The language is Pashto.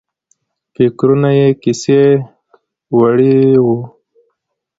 فکرونه یې کیسې وړي وو.